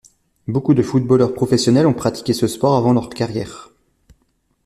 Beaucoup de footballeurs professionnels ont pratiqué ce sport avant leur carrière.